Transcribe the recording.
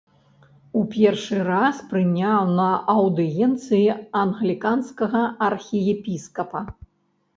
У першы раз прыняў на аўдыенцыі англіканскага архіепіскапа.